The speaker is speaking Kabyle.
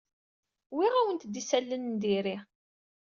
Uwyeɣ-awent-d isalan n diri.